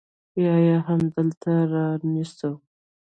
يا يې همدلته رانيسو.